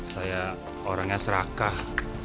saya orangnya serakah